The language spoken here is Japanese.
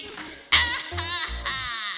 アッハッハ！